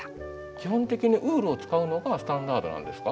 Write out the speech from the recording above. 基本的にウールを使うのがスタンダードなんですか？